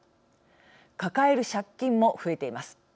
抱える借金も増えています。